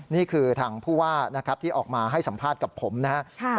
นี่คือทางผู้ว่านะครับที่ออกมาให้สัมภาษณ์กับผมนะครับ